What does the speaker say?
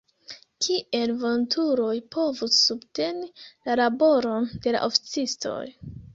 Kiel volontuloj povus subteni la laboron de la oficistoj?